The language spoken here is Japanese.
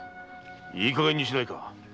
いいかげんにしないか。